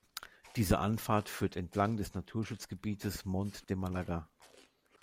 Diese Anfahrt führt entlang des Naturschutzgebietes "Montes de Málaga".